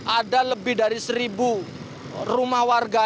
ada lebih dari seribu rumah warga